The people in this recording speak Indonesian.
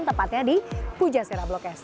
tepatnya di pujasera blok s